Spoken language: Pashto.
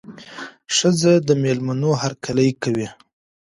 ښځه د مېلمنو هرکلی کوي.